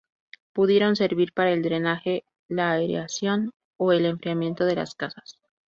Pudieron servir para el drenaje, la aireación o el enfriamiento de las casas.